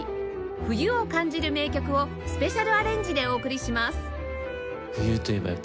冬を感じる名曲をスペシャルアレンジでお送りします